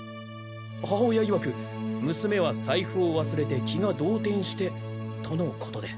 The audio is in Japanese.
母親いわく「娘は財布を忘れて気が動転して」との事で。